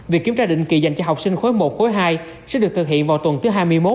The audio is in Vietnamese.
việc kiểm tra định kỳ dành cho học sinh khối một khối hai sẽ được thực hiện vào tuần thứ hai mươi một